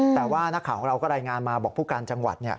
แต่ว่านักข่าวของเราก็รายงานมาบอกผู้การจังหวัด